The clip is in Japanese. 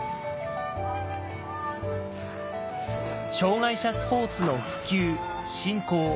障がい者スポーツの普及振興